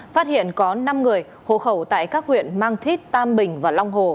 phát hiện có năm người hộ khẩu tại các huyện mang thít tam bình và long hồ